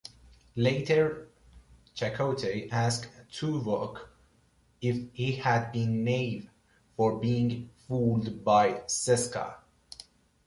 Later Chakotay asks Tuvok if he had been naive for being fooled by Seska.